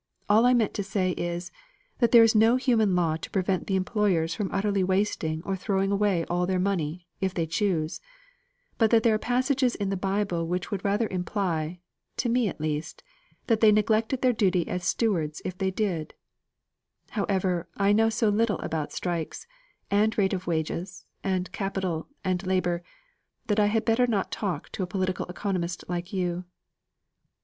All I meant to say is, that there is no human law to prevent the employers from utterly wasting or throwing away all their money, if they choose; but that there are passages in the Bible which would rather imply to me at least that they neglected their duties as stewards if they did so. However, I know so little about strikes and rate of wages, and capital, and labour, that I had better not talk to a political economist like you."